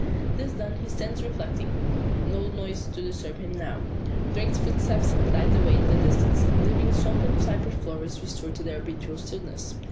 This done he stands reflecting. No noise to disturb him now. Darke's footsteps have died away in the distance, leaving swamp and cypress forest restored to their habitual stillness.